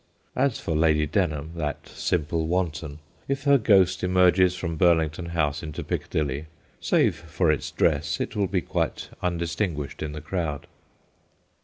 As for Lady Denham, that simple wanton, if her ghost emerges from Burlington House into Piccadilly, save for its dress it will be quite undistinguished in the crowd.